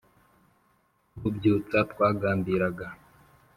rubyutsa twagambiraga